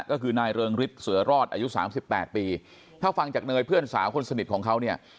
ก็คือนายเริงฤทธิ์เสือรอดอายุ๓๘ปี